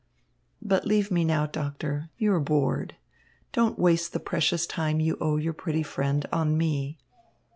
But leave me now, Doctor. You are bored. Don't waste the precious time you owe your pretty friend on me."